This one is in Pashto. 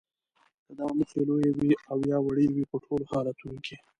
که دا موخې لویې وي او یا وړې وي په ټولو حالتونو کې